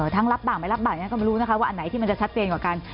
ทั้งรับบังไม่รับบักก็มารู้นะคะว่าอะไรที่มันจะชัดเตรียมกว่ากัน